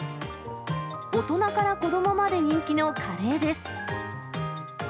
大人から子どもまで人気のカレーです。